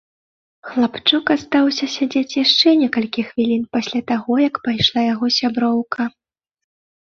Хлапчук астаўся сядзець яшчэ некалькі хвілін пасля таго, як пайшла яго сяброўка.